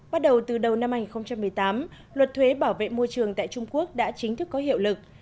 bắt đầu từ đầu năm hai nghìn một mươi tám luật thuế bảo vệ môi trường tại trung quốc đã chính thức có hiệu lực